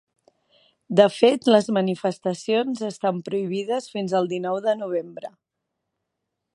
De fet, les manifestacions estan prohibides fins el dinou de novembre.